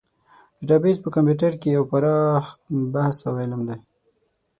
ډیټابیس په کمپیوټر کې یو پراخ بحث او علم دی.